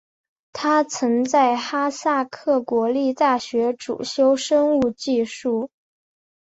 他曾在哈萨克国立大学主修生物技术。